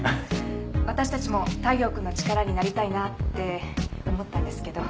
私たちも大陽君の力になりたいなって思ったんですけど。